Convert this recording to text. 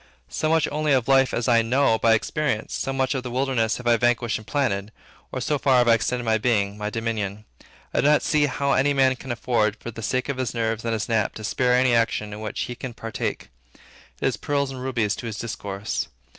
So much only of life as I know by experience, so much of the wilderness have I vanquished and planted, or so far have I extended my being, my dominion. I do not see how any man can afford, for the sake of his nerves and his nap, to spare any action in which he can partake. It is pearls and rubies to his discourse.